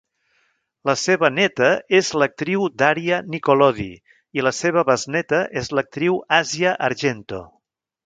La seva neta és l'actriu Daria Nicolodi i la seva besneta és l'actriu Àsia Argento.